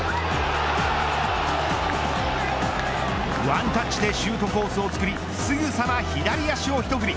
ワンタッチでシュートコースをつくり、すぐさま左足を一振り。